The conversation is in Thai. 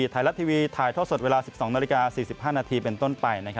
ไทยรัฐทีวีถ่ายท่อสดเวลา๑๒นาฬิกา๔๕นาทีเป็นต้นไป